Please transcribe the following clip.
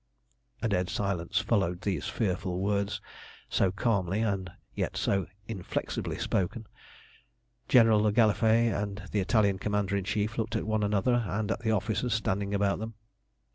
A dead silence followed these fearful words so calmly and yet so inflexibly spoken. General le Gallifet and the Italian Commander in Chief looked at one another and at the officers standing about them.